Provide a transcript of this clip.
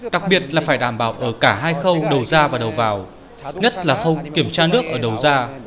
đặc biệt là phải đảm bảo ở cả hai khâu đầu ra và đầu vào nhất là khâu kiểm tra nước ở đầu ra